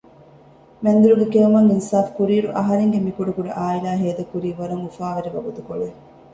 މެންދުރުގެ ކެއުމަށް އިންސާފުކުރިއިރު އަހަރެންގެ މި ކުޑަކުޑަ އާއިލާ ހޭދަކުރީ ވަރަށް އުފާވެރި ވަގުތުކޮޅެއް